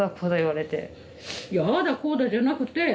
いやああだこうだじゃなくて。